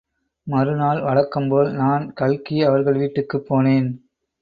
மறுநாள் வழக்கம் போல் நான் கல்கி அவர்கள் வீட்டுக்குப் போனேன்.